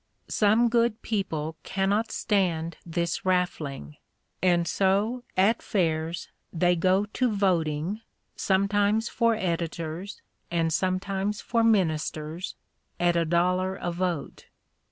Some good people cannot stand this raffling, and so, at fairs, they go to "voting," sometimes for editors, and sometimes for ministers, at a dollar a vote.